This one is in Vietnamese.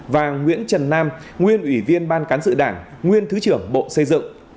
và nguyễn trần nam nguyên ủy viên ban cán sự đảng nguyên thứ trưởng bộ xây dựng